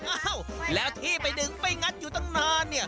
อ้าวแล้วที่ไปดึงไปงัดอยู่ตั้งนานเนี่ย